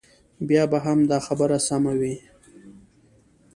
بیا به هم دا خبره سمه وي.